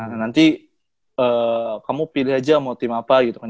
nah nanti kamu pilih aja mau tim apa gitu kan